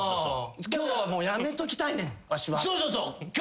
今日はもうやめときたいねん。